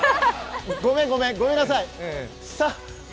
ごめんごめん、ごめんなさい